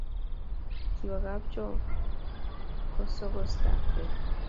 Kiwoo kapchoo kusokos lakwet